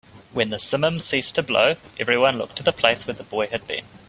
When the simum ceased to blow, everyone looked to the place where the boy had been.